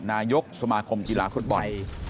นายกสมาคมกีฬาฟุตบอล